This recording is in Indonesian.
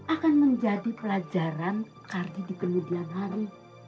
akan menjadi pelajaran kardi di kemudian hari